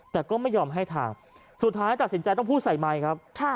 แต่ก็ไม่ยอมให้ทางสุดท้ายตัดสินใจต้องพูดใส่ไมค์ครับ